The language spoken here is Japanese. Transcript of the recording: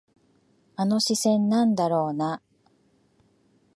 あの視線、なんだろうな。